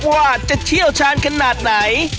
ว่าจะเชี่ยวชาญขนาดไหน